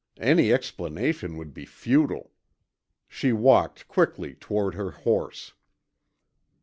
Any explanation would be futile. She walked quickly toward her horse.